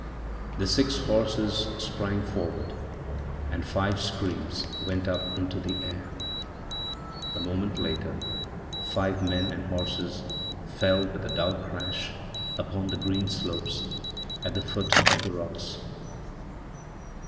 The six horses sprang forward, and five screams went up into the air,a moment later five men and horses fell with a dull crash upon thegreen slopes at the foot of the rocks.